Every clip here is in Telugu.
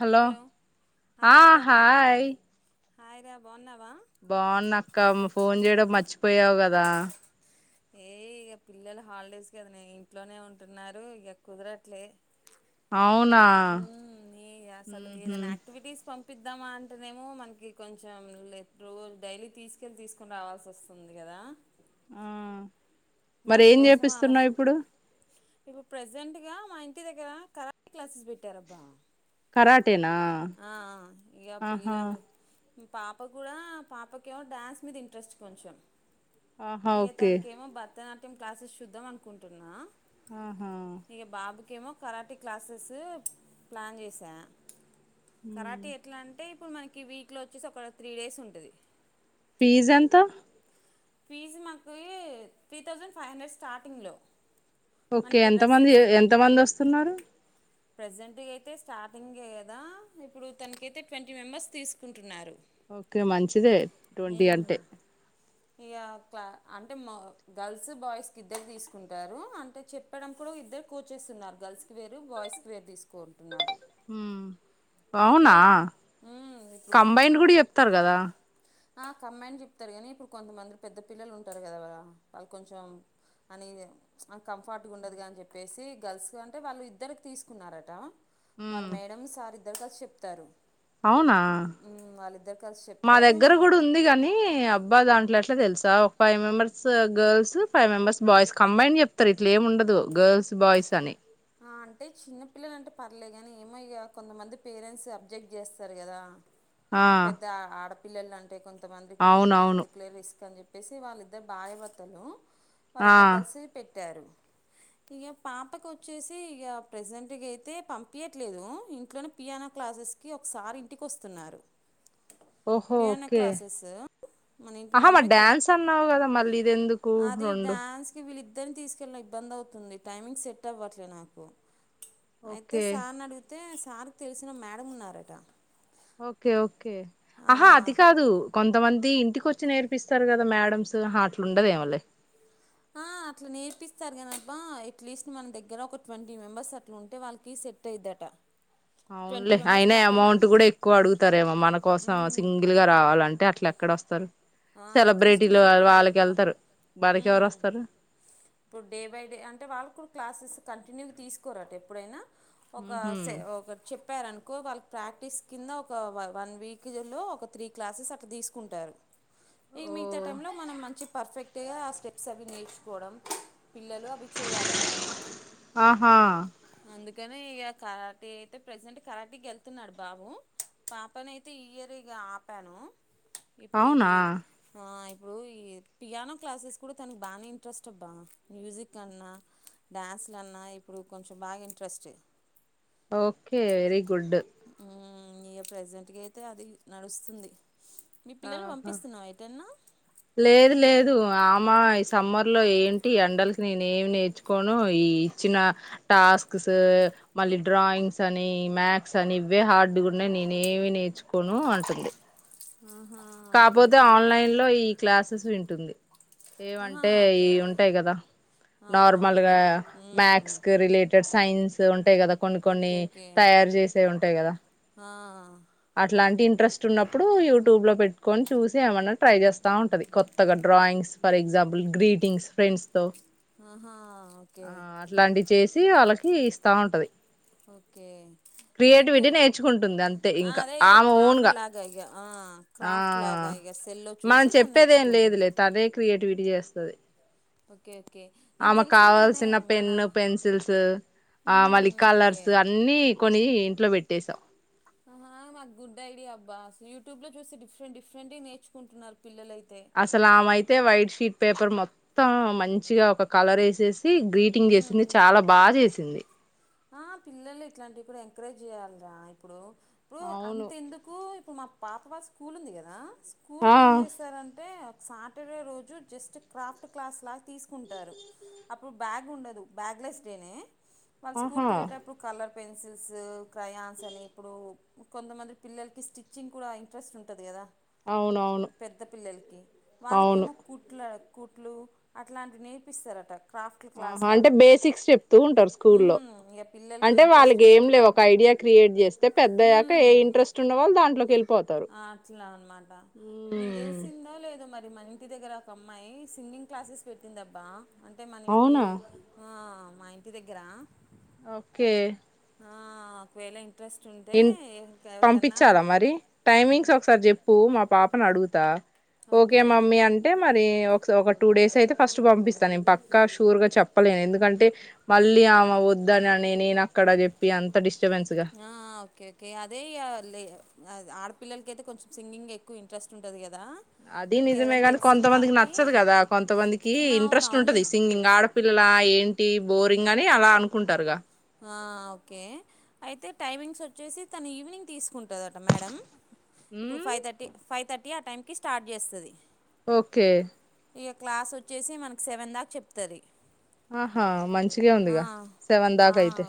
హలో ఆ హాయ్ హాయిరా బాగున్నావా బాగున్నా అక్క ఫోన్ చేయడం మర్చిపోయావు గదా ఏయ ఇగా పిల్లల హాలిడేస్ గదనే ఇంట్లోనే ఉంటున్నారు ఇగ కుదరట్లే అవునా ఉమ్ మ్ హు చపిద్దామా అంటేనేమో మనకి కొంచెంరోజ డైలీ తీసుకెళ్ళి తీసుకుని రావాల్సి వస్తుంది గదా దా అ మరి ఏం ఆలోచ చేపిస్తున్నా ఇప్పుడు ఇప్పుడు ప్రెజెంట్ గా మా ఇంటి దగ్గర కరాట క్లాసెస్ పెట్టారబ్బా కరాట్ ఆ ఇగా పిల్లలు పాప గూడా పాపకేమో డాన్స్ మీద ఇంట్రెస్ట్ కొంచెం ఆహా ఇగా ఓకే తనకేమో భరతనాట్యం క్లాసెస్ చూద్దాం అనుకుంటున్నా ఉహు ఇంకేమో కరాటీ క్లాసెస్ ప్లాన్ చేసా ఉమ్. కరాటీ ఎట్లా అంటే ఇప్పుడు మనకి వీక్ లో వచ్చేసి ఒక త్రీ డేస్ ఉంటది ఫీజ్ ఎంత ఫీజు మాకు three thousand five hundred starting లో ఓకే ఎంతమంది ఎంతమంది వస్తున్నారు ప్రెజెంట్గా అయితే స్టార్టింగే కదా ఇప్పుడు తనకైతే ట్వంటీ మెంబెర్స్ తీసుకుంటున్నారు ఓకే మంచిదే ట్వంటీ అంటే ఇక క్లా అంటే గర్ల్స్ బాయ్స్ కి ఇద్దరు తీసుకుంటారు అంటే చెప్పడం కూడా ఇద్దరు కోచెస్ ఉన్నారు గర్ల్స్ కి వేరు బాయ్స్ కి వేరు తీసుకోను ఉమ్ అయితే అవునా ఉమ్, ఇప్పుడు కంబైన్డ్ కూడా చెప్తరు కదా ఆ కంబైన్డ్ చెప్తరు కానీ ఇప్పుడు కొంతమంది పెద్ద పిల్లలు ఉంటరు కదా వాళ్ళు కొంచెం అని ఈజీ కంఫర్ట్ గా ఉండదు కదా అని చెప్పేసి గర్ల్స్ అంటే వాళ్ళు ఇద్దరికి తీసుకున్నారట ఉమ్. వాళ్ళ మేడం సార్ ఇద్దరు కలిసి చెప్తారు అవునా ఉమ్, వాళ్ళిద్దరు కలిసి మా చెప్తారు దగ్గర కూడా ఉంది కాని అబ్బా దాంట్లో ఎట్ల ట్ల తెలుసా ఒక five members girls five members boys combined చెప్తరు ఇట్ల ఏముండదు గర్ల్స్ బాయ్స్ అని అంటే చిన్నపిల్లల అంటే పర్లేదు కానీ ఏమో ఇగ కొంతమంది పేరెంట్స్ అబ్జెక్ట్ చేస్తరు కదా ఆ పెద్ద ఆడపిల్లలు అంటే కొంతమందికి అవునవును ఎందుకులే రిస్క్ అని చెప్పి చెప్పేసి వాళ్ళిద్దరు భార్యభర్తలు ఆ వాళ్ళిద్దరు కలిసి పె ట్టారు ఇక పాపకు వచ్చ చ్చేసి ప్రజెంట్గాయితే పంపియ్యట్లేదు ఇంట్లోనే పియానో క్లాసెస్కి ఒక సార్ ఇంటికీ వస్తున్నారు ఓహో పియానో ఓకే క్లాసెస్ మన ఇంటి ఆహా మరి మనమే కు- డ్యాన్స్ అన్నావు కదా మళ్ళీ ఇదెందుకు రెండు ఇద్దరిని తీసుకెళ్ళడం ఇబ్బంది అవుతుంది టైమింగ్ సెట్ అవ్వట్లే నాకు అయితే ఓకే సార్ని అడిగితే సార్కి తెలిసిన మేడం ఉన్నారట ఓకే ఓకే ఆ, ఆహా అది కాదు కొంతమంది మంది ఇంటికి వచ్చి నేర్పిస్తారు కదా మ్యాడమ్స్ ఆహా అట్లు ఉండదేమోలే ఆ అట్ల నేర్పిస్తారు కానబ్బ ఎట్లీస్ట్ మన దగ్గర ఒక ట్వంటీ మెంబర్స్ అట్ల ఉంటే వాళ్ళకి సెట్ అయిద్దట ట్వంటీ అవునులే మెంబర్స్ అయినా కాకపోయినా అమౌంట్ కూడా ఎక్కువ అడుగుతారేమో మన కోసం సింగిల్ గా రావాలంటే అట్లా ఎక్కడ వస్తారు అట్లీస్ట్ సెలబ్రిటీలు మనకి వాళ్ళకి వ- వెళ్తారు మనకెవరు ఉమ్, వస్తారు ఇప్పుడు డే బై డే అంటే వాళ్ళకూడా క్లాసెస్ కంటిన్యూగ తీసుకోరట ఎప్పుడైనా ఒక ఉహు సె ఒక చెప్ చెప్పారనుకో వాళ్ళకి ప్రాక్టీస్ కింద ఒక వన్ వీక్ లో ఒక త్రీ క్లాసెస్ అట్ల తీసుకుంటారు ఇక ఓ మిగతా టైంలో మనం మంచి పర్ఫెక్ట్గా ఆ స్టెప్స్ అవి నేర్చుకోవడం పిల్లలు అవి చెయాలట ఆహా అందు కనే ఇగ కరాటె అయితే ప్రజెంట్ కరాటీ వెళ్తున్నాడు బాబు పాపని అయితే ఈ ఇయర్ ఇగ ఆపాను ఇప్పుడు ఇది అవునా ఆ ఇప్పుడు ఈ పియానో క్లాసెస్ కూడా తనకు బానే ఇంట్రెస్ట్ అబ్బా మ్యూజిక్ అన్నా డ్యాన్స్లు అన్నా ఇప్పుడు కొంచెం బాగా ఇంట్రెస్ట్ ఓకే వెరీగుడ్ హు ఇగ ప్రజెంట్గ అయితే అది నడుస్తుంది మీ పిల్లల్ని ఆహా పంపిస్తున్నావు ఎటన్నా లేదు లేదు ఆమ ఈ సమ్మర్ లో ఏంటి ఎండలకి నేనేమి నేర్చుకోను ఈ ఇచ్చిన టా టాస్క్స్ మళ్ళీ డ్రాయింగ్స్ అని మ్యాథ్స్ అని ఇవే హార్డ్గ ఉన్నాయి నేనేమి నేర్చుకు కోను అంటుంది ఆహా ఓకే కాపోతే ఓకే ఆన్లైన్ లో ఈ క్లాసెస్ వింటుంది ఆహా ఏమంటే ఓకే ఇయ్యి ఉంటాయి కదా అవునవునులే నార్మల్గా ఉమ్, మ్యాథ్స్ కు రిలేటెడ్ టెడ్ సైన్స్ ఉంటాయి కదా కొన్ని కొన్ని ఓకే ఓకే తయారు చేసేవి ఉంటాయి కదా ఆ. అట్లాంటివి ఇంట్రెస్ట్ ఉనప్పుడు యూట్యూబ్లో పెట్ కొని చూసి ఏమన్నా ట్రై చేస్త ఉంటది కొత్తగా drawings for example greetings friends తో ఆహా ఓకే ఆ అట్లాంటివి చేసి వాళ్ళకి ఇస్తా ఉంటది ఓకే నీకు క్రియేటివిటీ నేర్చుకుంటుంది అంతే ఆ, ఇంక అదే ఇక ఆమె క్రాఫ్ట్ ఒన్గ లాగా ఇక ఆ, ఆ క్రాఫ్ట్ లాగా ఇక సెల్లో మనం చూసి తను చెప్పేది ఏం లేదు నేర్చుకుంటుంది లే తనే క్రియేటివిటీ చేస్తది ఓకే ఓకే నీకు ఆమె తెలిసిందానే కావాల్సిన మన పెన్ను పెన్సిల్స్ ఆ ఉహు, మళ్ళీ ఓకే కలర్స్ అన్ని కొని ఇంట్లో పెట్టేసాం ఆహా మాకు గుడ్ ఐడియా అబ్బా అసలు యూట్యూబ్ లో చూసి డిఫరెంట్ డిఫరెంట్ నేర్చు కుంటున్నారు అసలు ఆమెయితే వైట్ షీట్ పేపర్ మొత్తం మంచిగా ఒక కలర్ వేసేసి గ్రీటింగ్ చేసింది ఉహు. చాలా బా చేసింది ఆ పిల్లలు ఇట్లాంటివి కూడ ఎంకరేజ్ చేయ్యాల్రా ఇప్పుడు ఇప్పుడు అవును అంతెందుకు ఇప్పుడు మా పాప వ స్కూల్ ఉంది కదా ఆ స్కూల్లో ఏం చేస్తారంటే సాటర్డే రోజు జస్ట్ క్రాఫ్ట్ క్లాస్ లా తీసుకుంటారు అప్పుడు బ్యాగ్ ఉండదు బ్యాగ్లెస్టేనే వాళ్ళు స్కూల్కి ఆహా వెళ్ళేటప్పుడు కలర్ పెన్సిల్స్ క్రయాన్స్ అని ఇప్పుడు కొంతమంది పిల్లలకి స్టిచ్చింగ్ కూడ ఇంట్రెస్ట్ ఉంటది కదా అవునవును పెద్ద పిల్లలకి అవును వాళ్ళకెమో కుట్లు కుట్లు అట్లాంటివి నేర్పిస్తారట క్రాఫ్ట్ క్లాస్ ఆహా అంటే లాగా బేసిక్స్ చెప్తూ ఉంటారు స్కూల్లో ఉమ్, ఇక పిల్లలకి అంటే వాళ్ళకి ఇంట్రెస్ట్ని ఏం బట్టి లే ఒక ఐడియా క్రియేట్ చేస్తే పెద్దయ్యాక ఏ ఉమ్ ఇంట్రెస్ట్ ఉన్నవాళ్ళ దాంట్లోకి వెళ్ ఆ అట్ల అనమాట నీకు మ్మ్. తెలిసిందా లేద మ మన ఇంటి దగ్గర ఒక అమ్మాయి సింగింగ్ క్లాసెస్ పెట్టిందబ్బా అంటే మన ఇంటి అవునా ఆ మా ఇంటి దగ్గర ఒకే ఆ ఒకవేళ ఇ పంపిచాల మరి టైమింగ్స్ ఒకసారి చెప్పు మా పాపను అడుగుతా ఒకే ఓకే మమ్మీ అంటే మ మరి ఒక టు డేస్ అయితే ఫస్ట్ పంపిస్తా పక్క షూర్ గా చెప్పలేను ఎందుకంటే మళ్లీ ఆ అమె వద్దని అ నేన అక్కడ చెప్పి అంత డిస్టర్బెన్స్ గా ఆ ఓకే అదే లే ఆడపిల్లలకైతే కొంచెం సింగింగ్ ఎక్కువ ఇంట్రెస్ట్ ఉంటుంది కదా అది ఇక నిజమే ఎవరైనా కానీ తెలిసిన కొంతమందికి వాళ్ళకి నచ్చదు కదా కొంతమందికి ఇంట్రెస్ట్ ఉంటది అవునవునులే సింగింగ్ ఆడపిల్ అలా ఏంటి బోరింగ్ అని అల అనుకుంటారుగ ఆ ఒకే అయితే టైమింగ్స్ వచ్చేసి తను ఈవినింగ్ తీసుకుం టదట మేడం ఇప్పుడు ఉమ్, ఫైవ్ థర్టీ ఫైవ్ థర్టీ ఆ టైం కీ స్టార్ట్ చేస్తంది ఒకే ఇక క్లాస్ వచ్చేసి మనకి సెవెన్ దాక చెప్తది ఆహా మంచిగా ఉందిగా సెవెన్ ఆ దాకా అయితే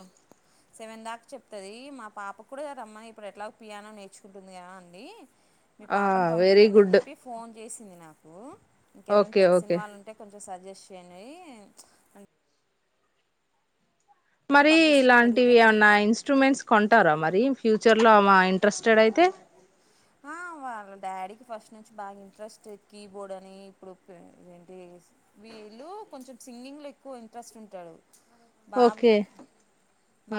సెవెన్ దాక చెప్తుంది మా పాప కూడ రమ్మని ఇప్పుడు ఎట్లా పియానో నేర్చుకుంటుంది కదా అండి మీ ఆ పాపను వెరీ పంపియండి అని గుడ్ చెప్పి ఫోన్ చేసింది నాకు ఇంకెవరైన ఓకే తెలిసిన ఓకే వాళ్ళు ఉంటే కొం సజెస్ట్ చేయండి అం మరి పబ్లిసిటీ ఇలాంటివి పెరిగితే కొంచెం ఏమన్నా ఇన్స్ట్రుమెంట్స్ కొంటార మ [unintelligible] ఫ్యూచర్ లో ఇంట్రెస్టెడ్ అయితే ఆ వాళ్ళ డాడీకి ఫస్ట్ నుంచి బాగ ఇంట్రెస్ట్ కీబోర్డ్ అని ఇప్పుడు ఏంటి వీళ్ళు కొంచెం సింగింగ్ లో ఎక్కువ ఇంట్రెస్ట్ ఉంటాడు ఓకే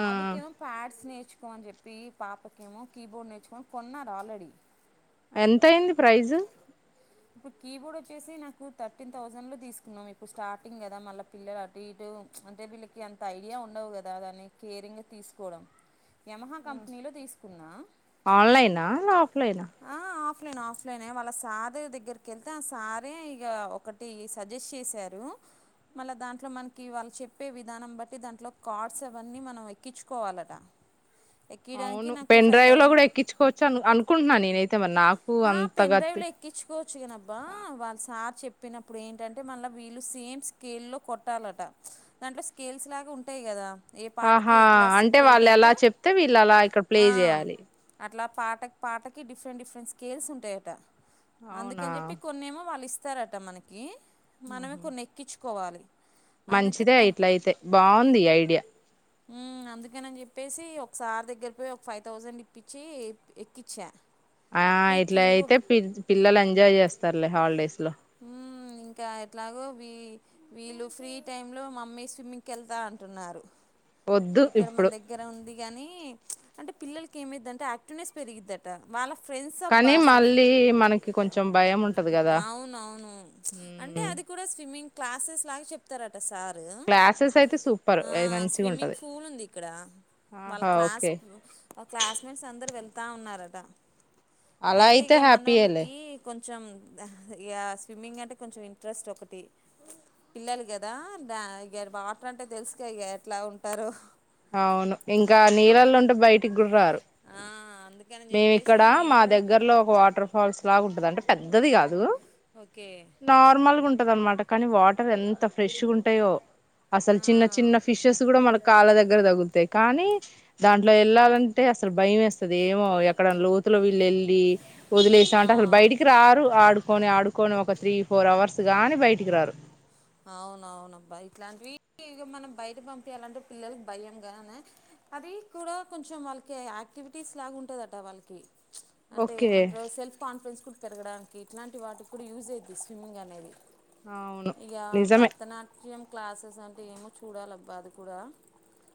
ఆ కేమో ప్యాడ్స్ నే నేర్చకో మని చెప్పి పాపకేమో కీబోర్డ్ నేర్చుకొ అని కొన్నారు ఆల్రెడీ ఎంత అయింది ప్రైజ్ ఇప్పుడు కీబోర్డ్ వచ్చేసి నాకు థర్టీన్ థౌసండ్ లో తీసుకున్నాం ఇప్పుడు స్టార్టింగ్ కదా మళ్ళీ పిల్లలు అటు ఇటు అంటే వీళ్ళకి అంత ఐడియా ఉండవు కదా దాన్ని కేరింగ్ తీసుకోవడం యమహా కంపెనీలో తీసుకున్నా ఆన్లైనా ఆఫ్లైనా ఆప్ నేను ఆఫ్లైనే వాళ్ళ సార్ దగ్ దగ్గరికి వెళ్తే ఆ సారే ఇక ఒకటి సజెస్ట్ చేశారు మళ్ళ దాంట్లో మనకి వాళ్ళు చెప్పే విధానం బట్టి దాంట్లో కార్డ్స్ అవన్నీ మనం ఎక్కించుకోవాలట ఎక్కియడానికి అవును నాకు పెన్ ఫైవ్ డ్రైవ్ లో థౌజండ్ కూడా ఎక్కించుకోవచ్చు అ అనుకుంటున్నా నేనైతే మరి నాకు ఆ పెన్ అంతగా డ్రైవ్ తె లో ఎక్కించుకోవచ్చు కానబ్బా వాళ్ళ సార్ చెప్పినప్పుడు ఏంటంటే మళ్ళ వీళ్ళు సేమ్ స్కేల్ లో కొట్టాలట దాంట్లో స్కేల్స్ లాగా ఉంటాయి కదా ఏ ఆహా పాటకి ఎట్లా అంటే సెట్ వాళ్ళు ఎలా అయ్యేటట్టు చెప్తే వీళ్ళు అలా ఇక్కడ ప్లే చేయాలి పాట పాటకి డిఫరెంట్ డిఫరెంట్ స్కేల్స్ ఉంటాయట అవునా అందుకని చెప్పి కొన్నేమో వాళ్ళు ఇస్ స్తారట మనకి మనమే మ్హూ. కొన్ని ఎక్కించుకోవాలి అందుకే మంచిదే ఇట్ల అయితే బాగుంది ఈ ఐడియా అందుకని చెప్పేసి ఒక సార్ దగ్గరికి పోయి ఒక ఫైవ్ థౌజండ్ ఇప్పించి ఎక్కించా ఆ ఎక్కి ఇట్లా ఇవ్వు. అయితే పి పిల్లలు ఎంజాయ్ చేస్తారులే హాలిడేస్ లో హ ఇంకా ఎట్లాగో వి వీళ్ళు ఫ్రీ టైం లో మమ్మీ స్విమ్మింగ్కి వెళ్తా అంటున్నారు వద్దు ఇక్కడ మన ఇప్పుడు దగ్గర ఉంది గాని అంటే పిల్లకి ఏమైంది అంటే యాక్టివేస్ పెరిగిందట వాళ్ళ ఫ్రెండ్స్ అబ్బా కానీ అసలు మళ్ళీ మనకి కొంచెం భయం ఉంటది కదా అవునవును అంటే అది కూడా స్విమ్మింగ్ క్లాసెస్ లాగా చెప్తారట సారు క్లాసెస్ అయితే సూపర్ అది మంచిగా ఉంటది స్కూల్ ఉంది ఇక్కడ వాళ్ళ ఆహా క్లాస్ ఓకే వాళ్ క్లాస్మేట్స్ అందరూ వెళ్తా ఉన్నార అలా అయితే ఇక హ్యాపీయేలే మనోళ్ళకి కొంచ కొంచెం ఇగ స్విమ్మింగ్ అంటే కొంచెం ఇంట్రెస్ట్ ఒకటి పిల్లలు కదా దా వాటర్ అంటే తెలుసుక ఇక ఎట్లా ఉంటారో అవును ఇంకా నీళ్ళల్లో ఉంటే బయటికి గూడ రారు ఆ అందుకని మేమి చెప్పేసి ఇక్కడ నేను మా కూడా దగ్గర్లో ఒక వాటర్ ఫాల్స్ లాగుంటది అంటే పెద్దది కాదు ఓకే నార్మల్గా ఉంటది అనమాట కానీ వాటర్ ఎంత ఫ్రెష్గా ఉంటాయో అసలు చిన్న చిన్న ఆ ఫిషెస్ కూడా మనకు కాళ్ళ దగ్గర తగులుతాయి కానీ దాంట్లో వెళ్ళాలంటే అసలు భయం వేస్తది ఏమో అక్కడ లోతుల వీళ్ళు వెళ్ళి ఆ వదిలేసామంటే అసలు బయటికి రారు ఆడు పోనీ ఆడుకొని ఒక త్రీ ఫోర్ అవర్స్ గాని బయటికి రారు అవునవునబ్బా ఇట్లాంటివి ఇ మనం బయట పంపియాలంటే పిల్లలకి భయం గానే అది కూడా కొంచెం వాళ్ళకి యాక్టివ్ ఎక్విటీస్ లాగా ఉంటుందట వాళ్ళకి అంటే ఓకే ఏమంట సెల్ఫ్ కాన్ఫిడెన్స్ కూడా పెరగడానికి ఇట్లాంటి వాటికి కూడా యూజ్ అవుది స్విమ్మింగ్ అనేది అవును ఇక నిజమే భరతనాట్యం క్లాసెస్ అంటే ఏమో చూడాలిబ్బా అది కూడా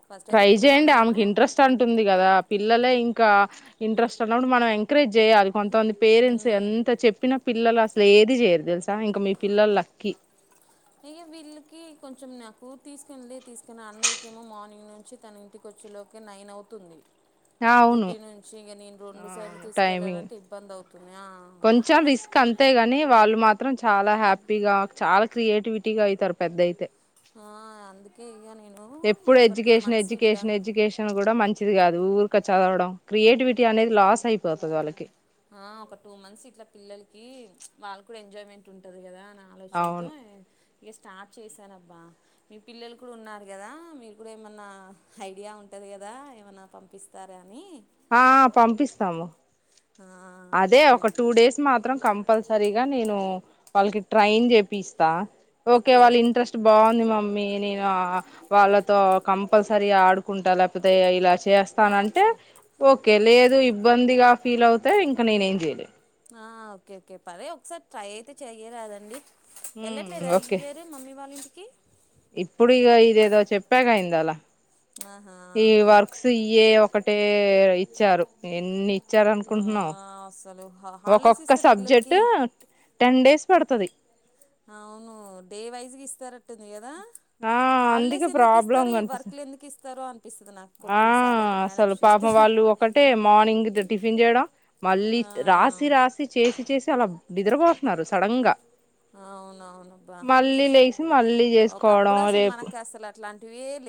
ఫస్ట్ అయితే ట్రై చేయండి పియానో ఆమెకి అను ఇంట్రెస్ట్ అంటుంది కదా పిల్లలే ఇంక్ ఇంకా ఇంట్రెస్ట్ అన్నప్పుడు మనం ఎంకరేజ్ చేయాలి కొంతమంది పేరెంట్స్ మ్మ్. ఎంత చెప్పినప్పు పిల్లలు అసలు ఏది చేయరు తెలుసా ఇంకా మీ పిల్లలు లక్కీ అయ్య వీళ్ళకి కొంచెం నాకు తీసుకొనిలే తీసుకుని అన్నయ్యకి ఏమో మార్నింగ్ నుంచి తన ఇంటికి వ ర్చులోకి నైన్ అవుతుంది అవును డ్యూటీ నుంచి ఇక నేను రెండు సైలు అవును టైమింగ్ తీసుకెళ్లాలంటే ఇబ్బంది అవుతుంది ఆ. కొంచెం రిస్క్ అంతే గాని వాళ్ళు మాత్రం చాలా హ్యాపీగా చాలా క్రియేటివిటీగా అయితారు పెద్ద అయితే ఆ అందుకే ఇక నేను ఎప్పుడు ఒక టూ ఎడ్యుకేషన్ మంత్స్ ఇట్లా ఎడ్యుకేషన్ ఎడ్యుకేషన్ కూడా మంచి ది కాదు ఊరిక చదవడం క్రియేటివిటీ అనేది లాస్ అయిపోతది వాళ్ళకి ఆ ఒక టూ మంత్స్ ఇట్లా పిల్లలకి వాళ్ళు కూడా ఎంజాయ్‌మెంట్ ఉంటది కదా ఆ ఆలోచనతో అవును ఇక స్టార్ట్ చేశానబ్బా మీ పిల్లలు కూడా ఉన్నారు కదా మీరు కూడా ఏమన్నా ఐడియా ఉంటద ది కదా ఏమైనా పంపిస్తారా అని ఆహ్ పంపిస్తాము ఆ, అదే ఓకే ఒక టూ డేస్ మాత్రం కంపల్సరీగా నేను వాళ్ళకి ట్రైన్ చేపిస్ స్తా ఓకే వాళ్ళ ఇంట్రెస్ట్ బాగుంది మ మ్మి నేను వాళ్ళతో కంపల్సరీగా ఆడుకుంటా లేకపోతే ఇలా ఆ, చేస్తానంటే ఓకే ఓకే లేదు ఇబ్బందిగా ఫీల్ అవుతే ఇంకా నేనే ఏం చేయలే ఆహ్ ఓకే ఓకే పరే ఒకసారి ట్రై అయితే చెయ్యరాదండి ఉమ్ వెళ్ళట్లేదా ఈ ఓకే ఇయర్ మమ్మీ వాళ్ళ ఇంటికి ఇప్పుడు ఇక ఇదేదో చెప్పాగా అయింది అలా ఆహా! ఈ ఓకే. వర్క్స్ ఇవ్వే ఒకటే ఇచ్చారు ఎ ఎన్ని ఆ! ఇచ్చారనుకుంటున్నావు అసలు హా హాలిడేస్ ఒకొక్కా ఇస్తే పిల్లలకి సబ్జెక్ట్ టెన్ డేస్ పడుతది అవును డే వైజ్ గి ఇస్తారట్టుంది కదా ఆ హాలిడేస్ అందుకే ఎందుకు ప్రాబ్లం ఇస్తారు ఈ కనిపిస్త వర్క్లు ఎందుకు ఇస్తారో అనిపిస్తది నాకు కొన్ని కొన్ని సార్లు ఆహ్ అసలు పాపం వాళ్ళు ఒకటే మార్నింగ్ ది టిఫిన్ చేయడం మళ్ళీ ఆ! రాసి రాసి చేసి చేసి చాలా నిద్రపోతున్నారు సడన్ గా అవునవునబ్బా మళ్ళీ లేసి మళ్ళీ చేసుకోవడం ఒకప్పుడు అసలు రేపు మనకి అసలు అట్లాంటివి ఎ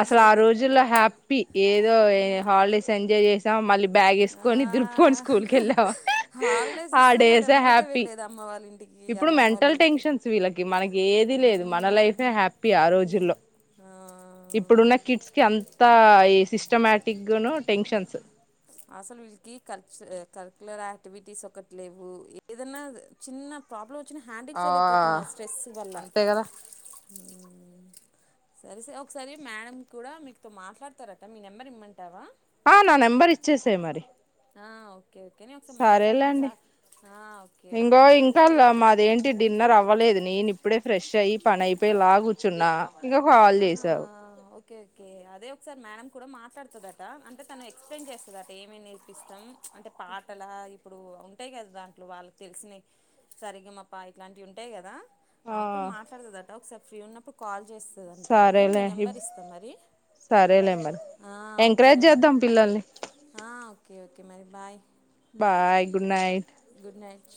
అసలు ఆ రోజుల్లో హ్యాపీ ఏదో హాలిడేస్ ఎంజాయ్ చేసాం మళ్ళీ బ్యాగ్ ఆ! వేసుకొని దులుపుకొని స్కూల్ కి వెళ్ళావా హాలిడేస్ ఆ ఇస్తే చాలు డేస్ ఎమ్మటే హ్యాపీ వెళ్ళేది అమ్మ వాళ్ళ ఇంటికి, ఇప్పుడు అమ్మమ్మ వాళ్ళ మెంటల్ ఇంటికి. టెన్షన్స్ వీళ్ళకి మనకి ఏది లేదు మన లైఫే హ్యాపీ ఆ రోజుల్లో ఆహ్ ఇప్పుడున్న కిడ్స్ కి అంతా ఈ సిస్టమాటిక్ ను టెన్షన్స్ అసలు వీల్లకి కలప్స్ కరిక్యులర్ యాక్టివిటీస్ ఒకటి లేవు ఏదైనా చిన్న ప్రాబ్లం వ వచ్చిన హ్యాండిల్ ఆ చేయలేకపోతున్నా స్ట్రెస్ వల్ల అంతే కదా సరే సే ఒకసారి మేడం కూడా మీకుతో మాట్లాడతారట మీ నెంబర్ ఇమ్మంటావా ఆ నా నెంబర్ ఇచ్చేసే మరి ఆ ఓ ఓకే ఓకే నే ఒకసారి మాట్లాడ మనాస సరేలేండి ఆహ్ ఓకే ఓకే ఇంగో మరి ఫ్రీ ఇది నేను ఇప్పుడే ఫ్రెష్ అయ్యి పని అయిపోయి ఇలా కూర్చున్నా ఇంగా కాల్ ఆహా చేసావు ఓకే ఓకే అదే ఒకసారి మేడం కూడా మాట్లాడతాదట అంటే తను ఎక్స్‌ప్లెయిన్ చేస్తదట ఏమేమి నేర్పిస్తాం అంటే పాటల ఇప్పుడు ఉంటాయి కదా దాంట్లో వాళ్ళకి తెలిసినవి సరిగమప ఇట్లాంటివి ఉంటాయి కదా ఆ ఆమె కూడా మాట్లాడతాదట ఒకసారి ఫ్రీ ఉన్నప్పుడు కాల్ చేస్ సరేలే ఇప్ సరేలే మరి ఎంకరేజ్ చేద్దాం పిల్లల్ని ఆహ్ ఓకే ఓకే మరి bye bye good night good night